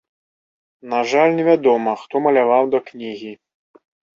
На жаль, не вядома, хто маляваў да кнігі.